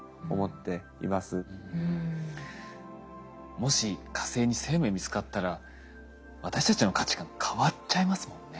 もし火星に生命見つかったら私たちの価値観変わっちゃいますもんね。